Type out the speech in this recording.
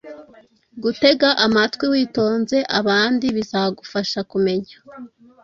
Gutega amatwi witonze abandi bizagufaha kumenya